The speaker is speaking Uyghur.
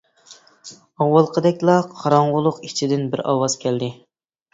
ئاۋۋالقىدەكلا قاراڭغۇلۇق ئىچىدىن بىر ئاۋاز كەلدى.